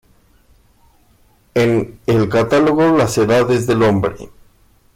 En el "Catálogo Las Edades del Hombre.